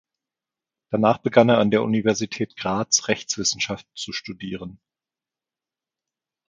Danach begann er an der Universität Graz Rechtswissenschaft zu studieren.